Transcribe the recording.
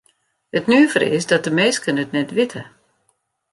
It nuvere is dat de minsken it net witte.